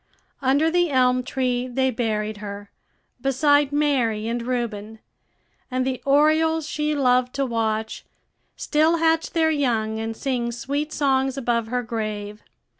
Under the elm tree they buried her, beside Mary and Reuben; and the orioles she loved to watch still hatch their young and sing sweet songs above her grave.